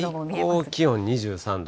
最高気温２３度。